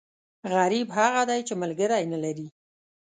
غریب هغه دی، چې ملکری نه لري.